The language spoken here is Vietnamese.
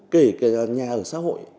kể cả nhà ở xã hội